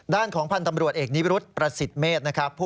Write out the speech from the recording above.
ด้านของพันธ์ตำรวจเอกนิบรุษประสิทธิ์เมษนะครับ